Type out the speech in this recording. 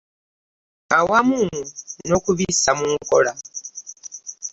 Awamu n'okubissa mu nkola.